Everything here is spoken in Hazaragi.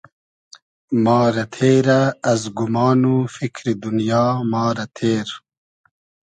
ما رۂ تېرۂ از گومان و فیکری دونیا ما رۂ تېر